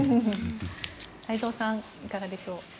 太蔵さんいかがでしょう。